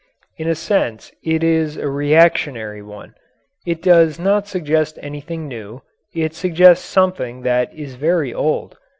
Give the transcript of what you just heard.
In a sense it is a reactionary one. It does not suggest anything new; it suggests something that is very old.